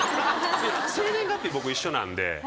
生年月日僕一緒なんで。